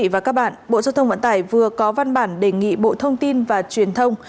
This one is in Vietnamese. bộ giao thông vận tải vừa có văn bản đề nghị bộ thông tin và truyền thông